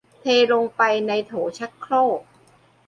เทลงไปในโถชักโครก